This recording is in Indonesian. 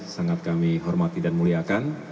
sangat kami hormati dan muliakan